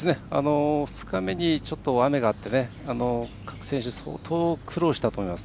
２日目に雨があって各選手、相当苦労したと思います。